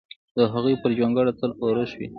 د هغوی پر جونګړه تل اورښت وي!